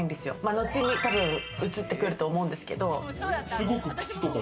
後に映ってくると思うんですけど。